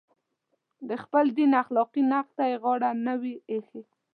د خپل دین اخلاقي نقد ته یې غاړه نه وي ایښې.